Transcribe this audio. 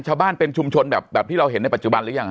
ชาวบ้านเป็นชุมชนแบบที่เราเห็นในปัจจุบันหรือยัง